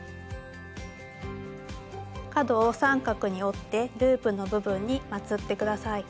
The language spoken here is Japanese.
角を三角に折ってループの部分にまつって下さい。